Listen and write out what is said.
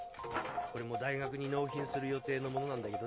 これも大学に納品する予定のものなんだけどね。